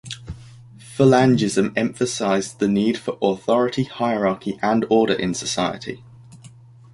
Falangism emphasized the need for authority, hierarchy, and order in society.